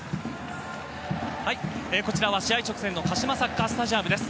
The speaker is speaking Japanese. こちらは試合直前の鹿島サッカースタジアムです。